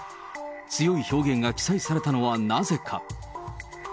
強い表現が記載されたのはなぜか。